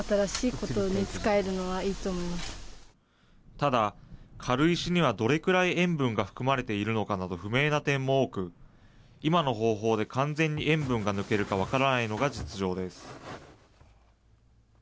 ただ、軽石にはどれくらい塩分が含まれているのかなど不明な点も多く、今の方法で完全に塩分が抜けるか分からないのが実情です。